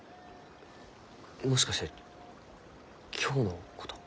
もしかして今日のこと？